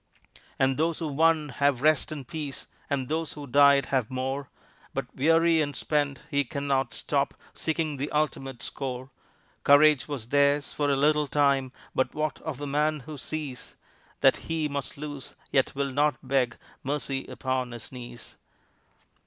And those who won have rest and peace; and those who died have more; But, weary and spent, he can not stop seeking the ultimate score; Courage was theirs for a little time, but what of the man who sees That he must lose, yet will not beg mercy upon his knees?